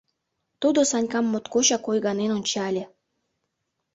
— Тудо Санькам моткочак ойганен ончале.